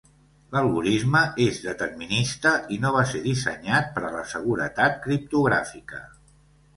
L'algorisme és determinista i no va ser dissenyat per a la seguretat criptogràfica.